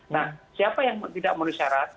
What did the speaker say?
nah siapa yang tidak menulis syarat